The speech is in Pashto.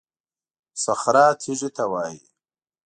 صخره تېږې ته وایي.